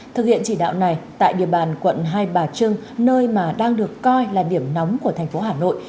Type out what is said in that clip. thực hiện chỉ đạo này tại địa bàn quận hai bà trưng nơi mà đang được coi là điểm nóng của thành phố hà nội